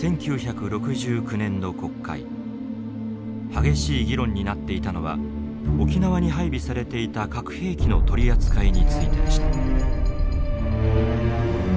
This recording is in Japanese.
激しい議論になっていたのは沖縄に配備されていた核兵器の取り扱いについてでした。